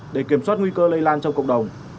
để kiểm soát nguy cơ lây lan trong cộng đồng